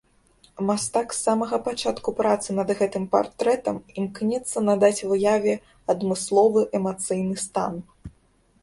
Мастак з самага пачатку працы над гэтым партрэтам імкнецца надаць выяве адмысловы эмацыйны стан.